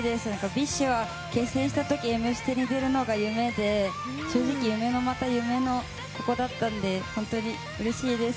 ＢｉＳＨは結成した時「Ｍステ」に出るのが夢で夢のまた夢のことだったので本当にうれしいです。